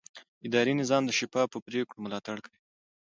اداري نظام د شفافو پریکړو ملاتړ کوي.